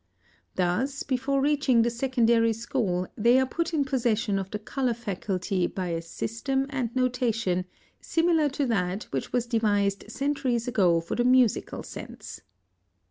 Thus, before reaching the secondary school, they are put in possession of the color faculty by a system and notation similar to that which was devised centuries ago for the musical sense.